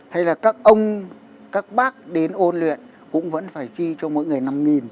hay là các ông các bác đến ôn luyện cũng vẫn phải chi cho mỗi người năm